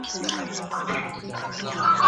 کله چي فقر زیات سي نو مرسته وکړئ.